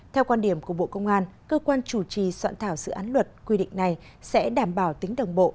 theo quan điểm của bộ công an cơ quan chủ trì soạn thảo dự án luật quy định này sẽ đảm bảo tính đồng bộ